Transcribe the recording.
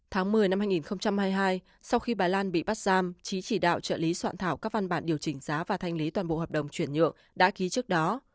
tháng một mươi năm hai nghìn hai mươi hai sau khi bà lan bị bắt giam chí chỉ đạo trợ lý soạn thảo các văn bản điều chỉnh giá và thanh lý toàn bộ hợp đồng chuyển nhượng đã ký trước đó